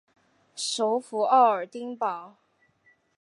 首府沃尔丁堡。